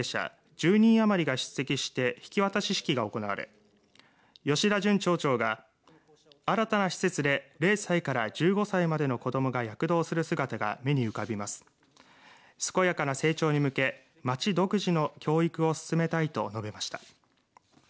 １０人余りが出席して引き渡し式が行われ吉田淳町長が新たな施設で０歳から１５歳までの子どもが躍動する姿が目に浮かびます健やかな成長に向け町独自の教育を進めたいと述べました。